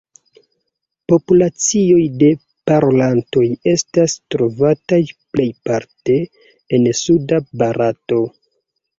Populacioj de parolantoj estas trovataj plejparte en suda Barato.